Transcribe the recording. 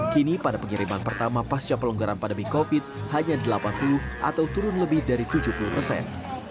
kini pada pengiriman pertama pasca pelonggaran pandemi covid hanya delapan puluh atau turun lebih dari tujuh puluh persen